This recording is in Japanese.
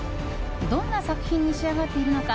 どんな作品に仕上がっているのか